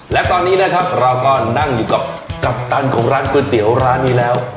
และตอนนี้นะครับเราก็นั่งอยู่กับกัปตันของร้านก๋วยเตี๋ยวร้านนี้แล้ว